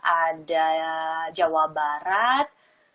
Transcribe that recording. ada jawa barat